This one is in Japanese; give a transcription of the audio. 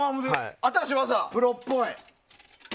プロっぽい！